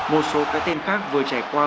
một số cái tên khác vừa trải qua